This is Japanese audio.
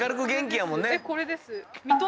これです。